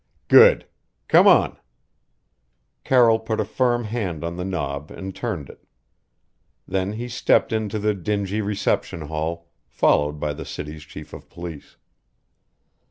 "Good! Come on." Carroll put a firm hand on the knob and turned it. Then he stepped into the dingy reception hall, followed by the city's chief of police.